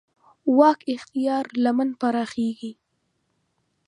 واک اختیار لمن پراخېږي.